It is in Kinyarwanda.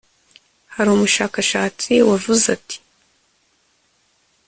hari umushakashatsi wavuze ati